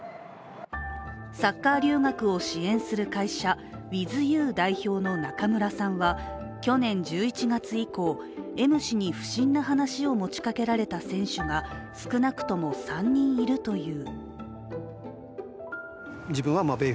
サッカー留学を支援する会社、ＷｉｔｈＹｏｕ代表の中村さんは去年１１月以降、Ｍ氏に不審な話を持ちかけられた選手が少なくとも３人いるという。